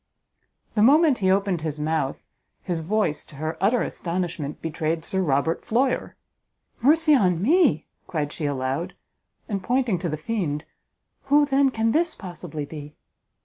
The moment he opened his mouth, his voice, to her utter astonishment, betrayed Sir Robert Floyer! "Mercy on me," cried she aloud, and pointing to the fiend, "who, then, can this possibly be?"